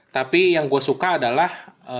tapi yang gue suka adalah